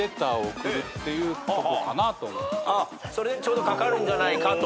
ちょうどかかるんじゃないかと。